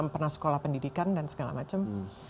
pernah sekolah pendidikan dan segala macam